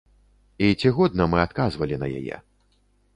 І ці годна мы адказвалі на яе?